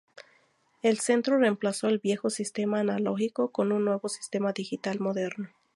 El centro reemplazó el viejo sistema analógico con un nuevo sistema digital moderno.